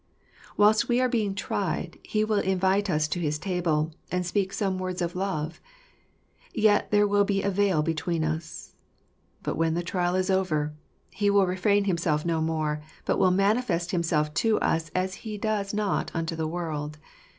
Whilst we are being tried, He will invite us to his table, and speak some words of love ; yet there will be a veil between us : but when the trial is over, He will refrain Himself no more, but will manifest Himself to us as He does not unto the world.